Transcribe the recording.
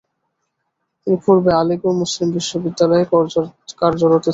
তিনি পূর্বে আলীগড় মুসলিম বিশ্ববিদ্যালয়-এ কার্যরত ছিলেন।